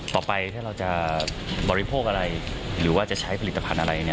ต่อไปถ้าเราจะบริโภคอะไรหรือว่าจะใช้ผลิตภัณฑ์อะไร